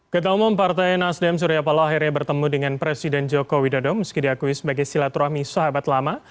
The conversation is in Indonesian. ketua umum partai nasdem suriapalo akhirnya bertemu dengan presiden joko widodo meski diakui sebagai silaturahmi sahabat lama